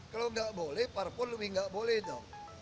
kalau nggak boleh parpol lebih nggak boleh dong